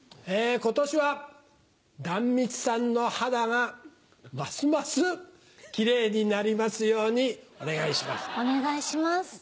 今年は壇蜜さんの肌がますますキレイになりますようにお願いします。